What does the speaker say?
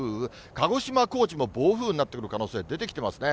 鹿児島、高知も暴風雨になってくる可能性、出てきてますね。